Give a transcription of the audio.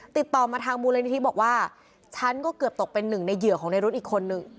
ติดต่อมาทางมูลนิธิบอกว่าฉันก็เกือบตกเป็นหนึ่งในเหยื่อของในรุ้นอีกคนนึง